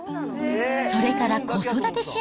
それから子育て支援